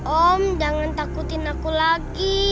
om jangan takutin aku lagi